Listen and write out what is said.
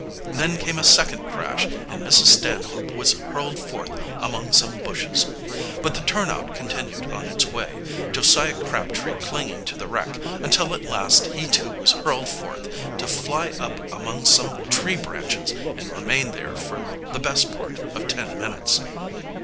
Then came a second crash and Mrs. Stanhope was hurled forth among some bushes. But the turnout continued on its way, Josiah Crabtree clinging to the wreck, until at last he too was hurled forth, to fly up among some tree branches and remain there for the best part of ten minutes.